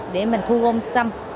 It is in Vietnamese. để mình thu gom xâm